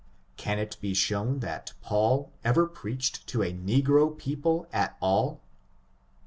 Can it be shown that Paul ever preached to a negro people at all?